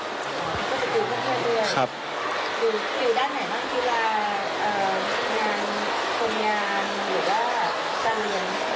อยู่ด้านไหนบ้างกีฬางานคนงานหรือว่าการเรียน